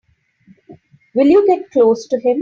Will you get close to him?